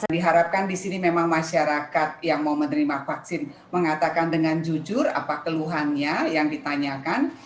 diharapkan di sini memang masyarakat yang mau menerima vaksin mengatakan dengan jujur apa keluhannya yang ditanyakan